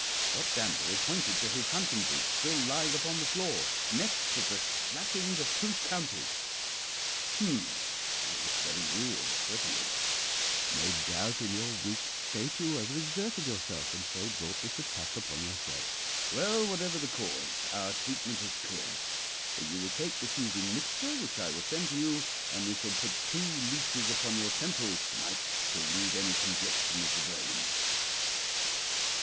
"Wat Danbury pointed to his hunting boots still lying upon the floor, necked with the splashings of two counties. "'Hum! that looks very real, certainly. No doubt, in your weak state, you over exerted yourself and so brought this attack upon yourself. Well, whatever the cause, our treatment is clear. You will take the soothing mixture which I will send to you, and we shall put two leeches upon your temples to night to relieve any congestion of the brain.'